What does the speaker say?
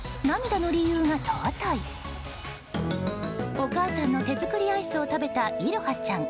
お母さんの手作りアイスを食べたいろはちゃん。